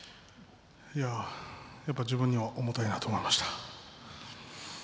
いややっぱり自分には重たいなと思いました。